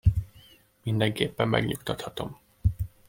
Mindenképpen megnyugtathatom.